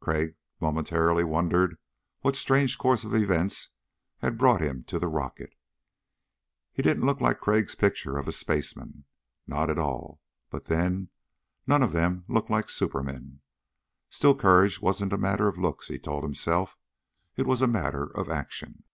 Crag momentarily wondered what strange course of events had brought him to the rocket. He didn't look like Crag's picture of a spaceman. Not at all. But then, none of them looked like supermen. Still, courage wasn't a matter of looks, he told himself. It was a matter of action.